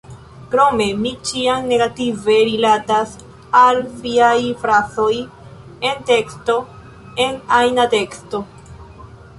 Krome, mi ĉiam negative rilatas al fiaj frazoj en teksto, en ajna teksto.